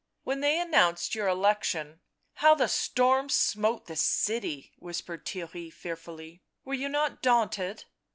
" When they announced your election — how the storm smote the city," whispered Theirry fearfully; " were you not daunted